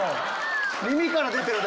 耳から出てるで。